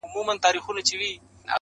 • دلته مستي ورانوي دلته خاموشي ورانوي؛